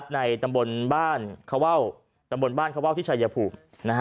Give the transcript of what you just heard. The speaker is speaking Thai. ในตำบลบ้านเขาว่าวที่ชายภูมิ